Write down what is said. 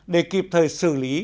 để kịp thời xử lý